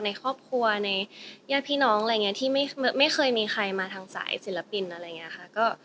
ในครอบครัวในญาติพี่น้องอะไรอย่างนี้ที่ไม่เคยมีใครมาทางสายศิลปินอะไรอย่างนี้ค่ะ